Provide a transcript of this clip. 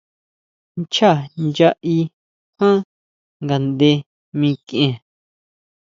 Nchaá nya í jan ngaʼnde mikʼien.